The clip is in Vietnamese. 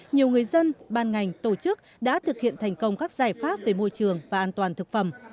nhiều người dân ban ngành tổ chức đã thực hiện thành công các giải pháp về môi trường và an toàn thực phẩm